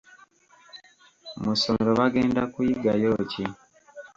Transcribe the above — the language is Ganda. Mu ssomero bagenda kuyigayo ki?